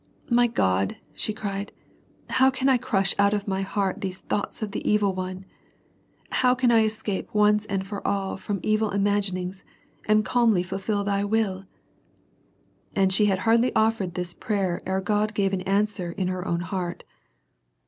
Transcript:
" My God," she cried, " how can I crush out in my heart these thoughts of the evil one ? How can I escape once and for all from evil imaginings, and calmly fulfil thy will ?" And she had hardly offered this prayer ere God gave an an swer in her own heart.